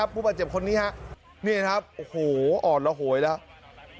ผู้บาดเจ็บคนนี้ครับนี่ครับโอ้โหอ่อนระโหยแล้ว